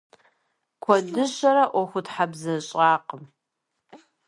Куэдыщэри ӀуэхутхьэбзэщӀакъым.